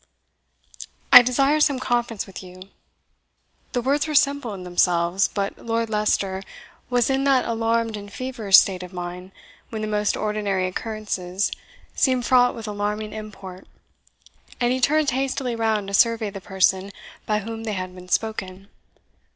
"I desire some conference with you." The words were simple in themselves, but Lord Leicester was in that alarmed and feverish state of mind when the most ordinary occurrences seem fraught with alarming import; and he turned hastily round to survey the person by whom they had been spoken.